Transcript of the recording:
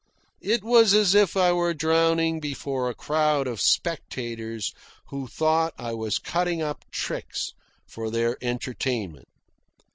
It was as if I were drowning before a crowd of spectators who thought I was cutting up tricks for their entertainment.